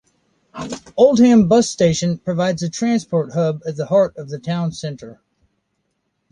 Oldham bus station provides a transport hub at the heart of the town centre.